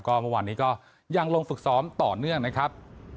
เมื่อวานนี้ก็ยังลงฝึกซ้อมต่อเนื่องนะครับ